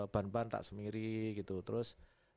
ban ban tak semiri gitu terus